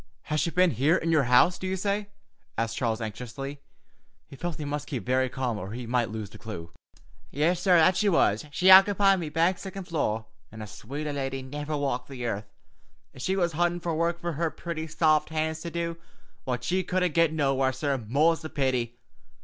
'" "Has she been here in your house, do you say?" asked Charles anxiously. He felt he must keep very calm or he might lose the clue. "Yis, sorr, that she was. She ockepied me back siccond floor, an' a swater lady niver walked the earth, ef she was huntin' work fer her pretty, saft hands to do, what she couldn't get nowhere, sorr, more's the pity.